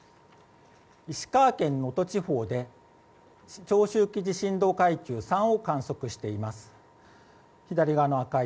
石川県能登地方で長周期地震動階級３を観測しています。